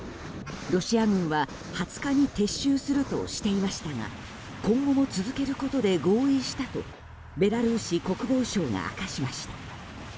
ロシア軍は２０日に撤収するとしていましたが今後も続けることで合意したとベラルーシ国防省が明かしました。